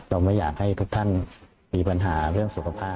เราไม่อยากให้ทุกท่านมีปัญหาเรื่องสุขภาพ